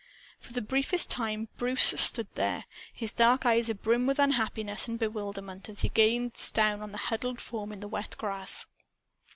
For the briefest time, Bruce stood there, his dark eyes abrim with unhappiness and bewilderment, as he gazed down on the huddled form in the wet grass.